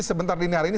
sebentar di hari ini